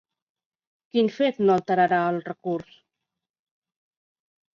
Quin fet no alterarà el recurs?